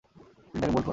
তিনি তাকে বোল্ড করেন।